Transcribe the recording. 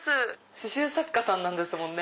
刺しゅう作家さんなんですもんね。